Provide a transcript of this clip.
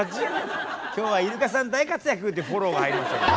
「今日はイルカさん大活躍！」ってフォローが入りましたけど。